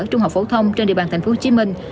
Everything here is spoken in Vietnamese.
trung học phổ thông trên địa bàn thành phố hồ chí minh